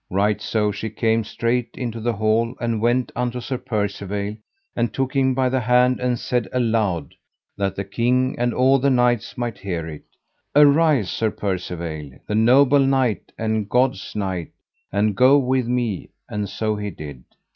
Right so she came straight into the hall, and went unto Sir Percivale, and took him by the hand and said aloud, that the king and all the knights might hear it: Arise, Sir Percivale, the noble knight and God's knight, and go with me; and so he did.